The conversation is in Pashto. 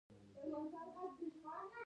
په دې مرحله کې د مبادلاتو وده د پخوا برعکس وه